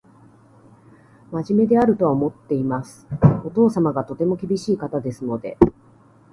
真面目であるとは思っています。お父様がとても厳しい方ですので